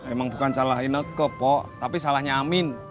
emang bukan salah ineke pok tapi salahnya amin